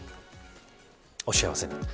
お幸せに。